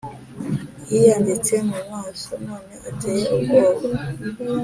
Yiyanditse mu maso none ateye ubwoba